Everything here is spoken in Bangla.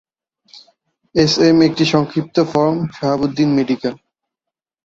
এসএম একটি সংক্ষিপ্ত ফর্ম "শাহাবুদ্দিন মেডিকেল"